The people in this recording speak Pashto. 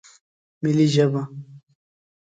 ملي ژبه